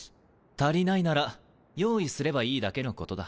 足りないなら用意すればいいだけのことだ。